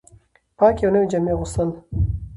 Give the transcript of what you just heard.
پاکې او نوې جامې اغوستل